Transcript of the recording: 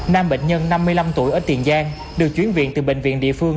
nam bệnh nhân năm mươi năm tuổi ở tiền giang được chuyển viện từ bệnh viện địa phương